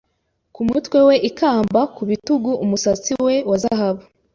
Ku mutwe we ikamba Ku bitugu umusatsi we wa zahabu